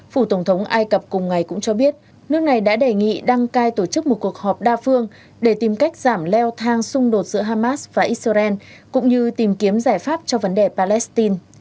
phủ tổng thống ai cập cùng ngày cũng cho biết nước này đã đề nghị đăng cai tổ chức một cuộc họp đa phương để tìm cách giảm leo thang xung đột giữa hamas và israel cũng như tìm kiếm giải pháp cho vấn đề palestine